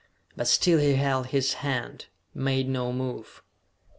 But still he held his hand, made no move.